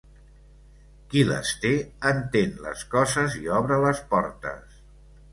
Qui les té entén les coses i obre les portes.